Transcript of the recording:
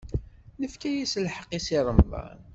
Nefka-as lḥeqq i Si Remḍan.